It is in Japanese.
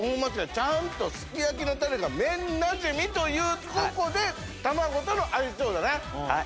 ちゃんとすき焼きのタレが麺なじみというとこで卵との相性だね。